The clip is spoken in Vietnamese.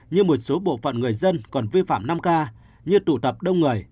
như một số bộ phận người dân còn vi phạm năm k như tụ tập đông người